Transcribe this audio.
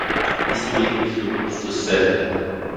بیست و یک، بیست و دو، بیست و سه.